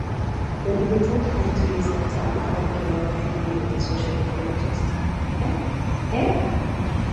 When he returned home two years later, he found Kerala seething with social unrest.